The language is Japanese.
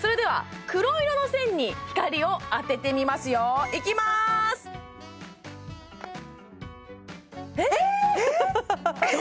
それでは黒色の線に光を当ててみますよいきまーすえっ？